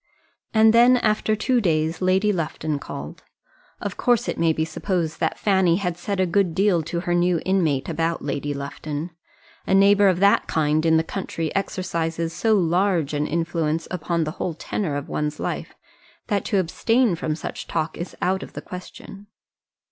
And then after two days Lady Lufton called; of course it may be supposed that Fanny had said a good deal to her new inmate about Lady Lufton. A neighbour of that kind in the country exercises so large an influence upon the whole tenor of one's life, that to abstain from such talk is out of the question.